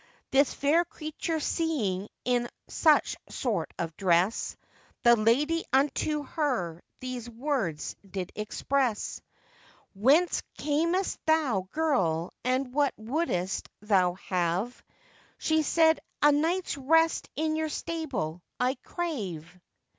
This fair creature seeing in such sort of dress, The lady unto her these words did express: 'Whence camest thou, girl, and what wouldst thou have?' She said, 'A night's rest in your stable I crave.